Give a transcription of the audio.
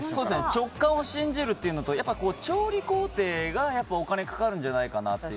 直感を信じるというのとやっぱり調理工程がお金かかるんじゃないかなと。